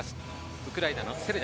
ウクライナのセレダ。